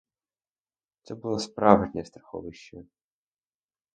Це було справжнє страховище.